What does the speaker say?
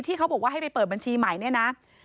เขาบอกว่าให้ไปเปิดบัญชีใหม่เนี่ยนะ